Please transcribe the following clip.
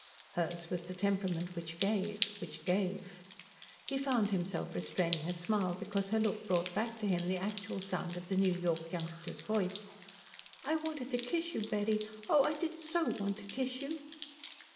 Hers was the temperament which gave which gave. He found himself restraining a smile because her look brought back to him the actual sound of the New York youngster's voice. "I wanted to kiss you, Betty, oh, I did so want to kiss you!"